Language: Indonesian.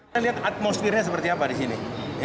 kita lihat atmosfernya seperti apa di sini